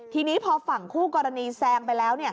ทีนี้พอฝั่งคู่กรณีแซงไปแล้ว